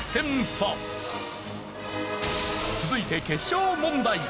続いて決勝問題！